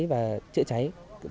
và chữa cháy công cộng